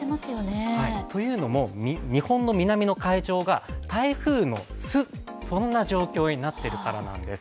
というのも、日本の南の海上が台風の巣、そんな状況になってるからなんです。